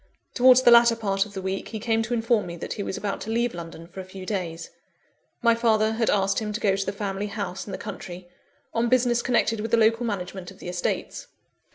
Towards the latter part of the week, he came to inform me that he was about to leave London for a few days. My father had asked him to go to the family house, in the country, on business connected with the local management of the estates.